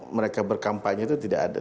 mereka berkampanye itu tidak ada